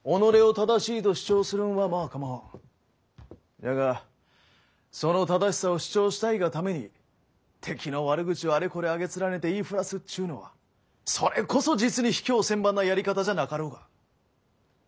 じゃがその正しさを主張したいがために敵の悪口をあれこれ挙げ連ねて言い触らすっちゅうのはそれこそ実に卑怯千万なやり方じゃなかろうか。